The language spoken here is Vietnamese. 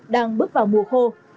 đang bước vào mùa khô